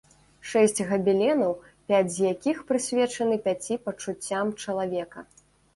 Шэсць габеленаў, пяць з якіх прысвечаны пяці пачуццям чалавека.